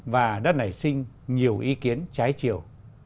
và đã nảy sinh nhiều ý kiến trái chiều